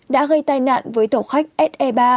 đã gây tai nạn với tàu khách se ba